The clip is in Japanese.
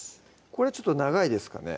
これちょっと長いですかね？